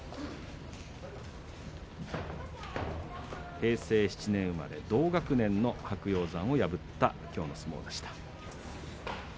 平成７年生まれ同学年の白鷹山を破ったきょうの相撲でした。